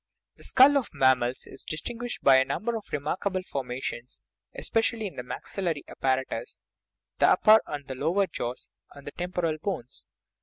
The skull of mammals is distinguished by a number of re markable formations, especially in the maxillary ap paratus (the upper and lower jaws, and the temporal bones).